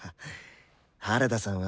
原田さんは。